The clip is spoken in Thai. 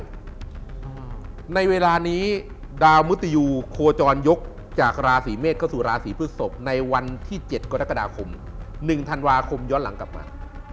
หยิบยกได้ในเวลานี้ดาวมฤติยูโคจรยกจากราศรีเมฆเข้าสู่ราศรีพฤศพในวันที่๗กรกฎาคม๑ธันวาคมย้อนหลังกลับมา